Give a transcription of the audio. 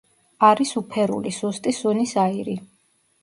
არის უფერული, სუსტი სუნის აირი.